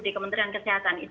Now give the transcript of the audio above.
di kementerian kesehatan